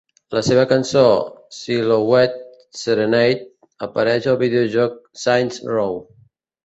La seva cançó "Silhouette Serenade" apareix al videojoc "Saints Row".